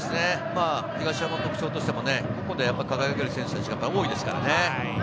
東山の特徴としても輝ける選手達が多いですからね。